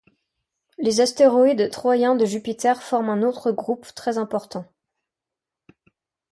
Les astéroïdes troyens de Jupiter forment un autre groupe très important.